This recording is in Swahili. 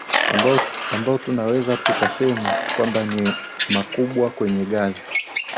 ambao tunaweza tukasema kwamba ni makubwa kwenye gazi